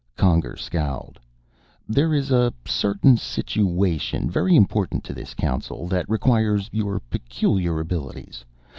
Conger scowled. "There is a certain situation, very important to this Council, that requires your peculiar abilities.